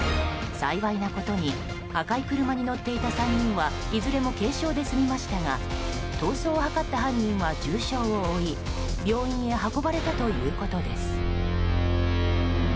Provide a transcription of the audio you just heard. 幸いなことに赤い車に乗っていた３人はいずれも軽傷で済みましたが逃走を図った犯人は重傷を負い病院に運ばれたということです。